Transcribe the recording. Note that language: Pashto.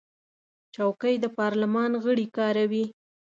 چوکۍ د پارلمان غړي کاروي.